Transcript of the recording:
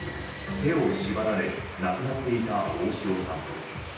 手を縛られ亡くなっていた大塩さん。